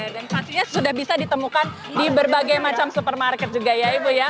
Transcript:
dan pastinya sudah bisa ditemukan di berbagai macam supermarket juga ya ibu ya